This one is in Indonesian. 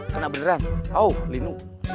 karena beneran auh linu